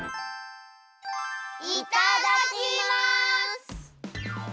いただきます！